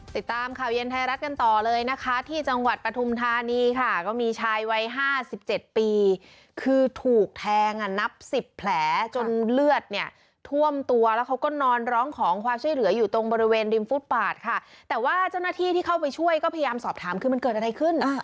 ติดตามข่าวเย็นไทยรัฐกันต่อเลยนะคะที่จังหวัดปฐุมธานีค่ะก็มีชายวัยห้าสิบเจ็ดปีคือถูกแทงอ่ะนับสิบแผลจนเลือดเนี่ยท่วมตัวแล้วเขาก็นอนร้องขอความช่วยเหลืออยู่ตรงบริเวณริมฟุตปาดค่ะแต่ว่าเจ้าหน้าที่ที่เข้าไปช่วยก็พยายามสอบถามคือมันเกิดอะไรขึ้น